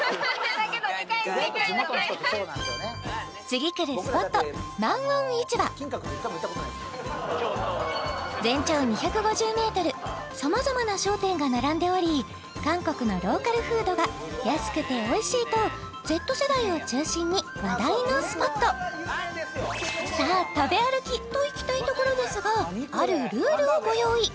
次くるスポットマンウォン市場全長２５０ｍさまざまな商店が並んでおり韓国のローカルフードが安くておいしいとＺ世代を中心に話題のスポットさあ食べ歩き！といきたいところですがあるルールをご用意